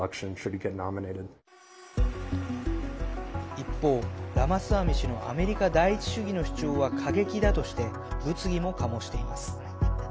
一方、ラマスワミ氏のアメリカ第一主義の主張は過激だとして物議も醸しています。